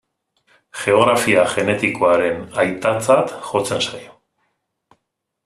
Geografia genetikoaren aitatzat jotzen zaio.